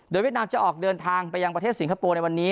เวียดนามจะออกเดินทางไปยังประเทศสิงคโปร์ในวันนี้